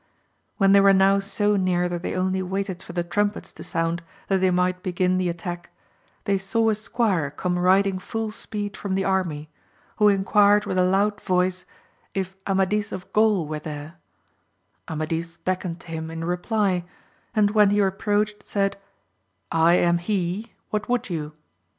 When they were now so near that they only waited for the trumpets to sound, that they might begin the attack, they saw a squire come riding full speed from the army, who enquired with a loud voice if Amadis of Gaul were there 1 Amadis beckoned to him in reply, and when he approached, said, I am he, what would you